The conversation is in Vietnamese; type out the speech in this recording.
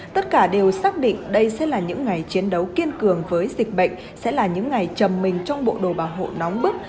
tất cả đều xác định đây sẽ là những ngày chiến đấu kiên cường với dịch bệnh sẽ là những ngày chầm mình trong bộ đồ bảo hộ nóng bức